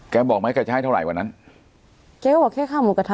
บอกไหมแกจะให้เท่าไหร่วันนั้นแกก็บอกแค่ค่าหมูกระทะ